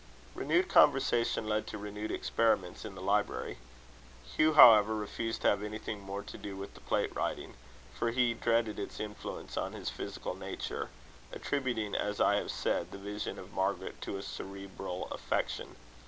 Renewed conversation led to renewed experiments in the library. Hugh, however, refused to have anything more to do with the plate writing; for he dreaded its influence on his physical nature, attributing, as I have said, the vision of Margaret to a cerebral affection.